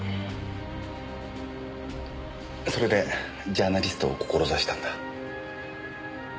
それでジャーナリストを志したんだ。